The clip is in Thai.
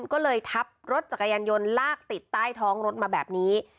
ก็เลยทับรถจักรยานยนต์ลากติดใต้ท้องรถมาแบบนี้